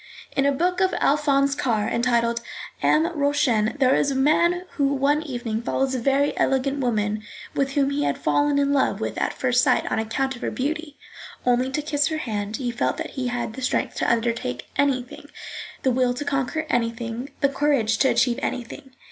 In a book of Alphonse Karr entitled Am Rauchen, there is a man who one evening follows a very elegant woman, with whom he had fallen in love with at first sight on account of her beauty. Only to kiss her hand he felt that he had the strength to undertake anything, the will to conquer anything, the courage to achieve anything.